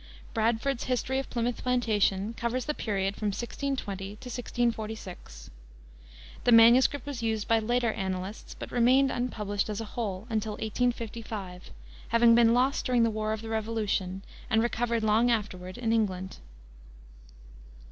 Bradford's History of Plymouth Plantation covers the period from 1620 to 1646. The manuscript was used by later annalists, but remained unpublished, as a whole, until 1855, having been lost during the war of the revolution and recovered long afterward in England.